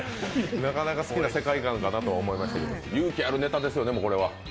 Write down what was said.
なかなか好きな世界観かなと思いましたけど勇気あるネタですね。